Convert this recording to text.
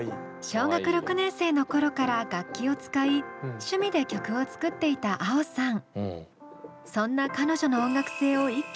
小学６年生の頃から楽器を使い趣味で曲を作っていたａｏさん。